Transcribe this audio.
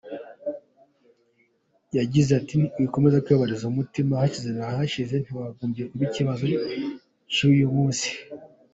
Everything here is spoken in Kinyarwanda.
Yagize ati “Wikomeza kwibabariza umutima, ahashize ni ahashije ntihakagombye gukomeza kuba ikibazo uyu munsi.